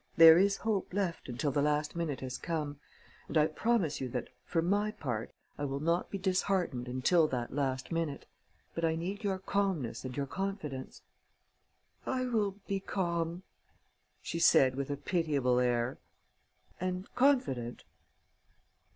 There is hope left until the last minute has come; and I promise you that, for my part, I will not be disheartened until that last minute. But I need your calmness and your confidence." "I will be calm," she said, with a pitiable air. "And confident?"